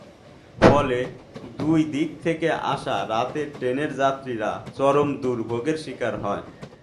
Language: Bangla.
ফলে দুই দিক থেকে আসা রাতের ট্রেনের যাত্রীরা চরম দুর্ভোগের শিকার হয়।